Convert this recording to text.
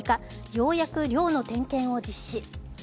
ようやく寮の点検を実施。